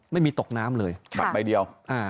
ไม่มีตกน้ำเลย